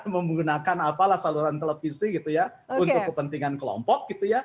menggunakan apalah saluran televisi gitu ya untuk kepentingan kelompok gitu ya